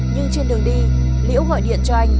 nhưng trên đường đi liễu gọi điện cho anh